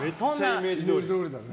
イメージどおりだな。